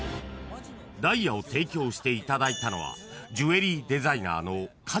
［ダイヤを提供していただいたのは］